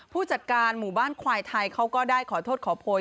ผู้จัดการหมู่บ้านควายไทยเขาก็ได้ขอโทษขอโพย